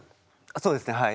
そうですねはい。